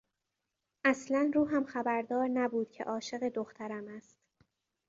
اصلا روحم خبردار نبود که عاشق دخترم است.